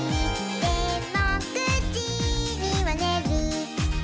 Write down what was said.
「でも９じにはねる」